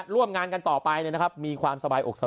ร่วมงานกันต่อไปมีความสบายอกส